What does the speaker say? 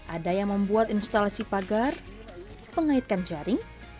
ada yang membuat instalasi pagar pengaitkan jaring